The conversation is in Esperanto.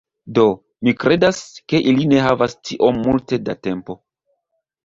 Do, mi kredas, ke ili ne havas tiom multe da tempo